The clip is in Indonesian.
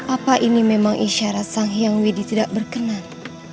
apa ini memang isyarat sang hyang widi tidak berkenan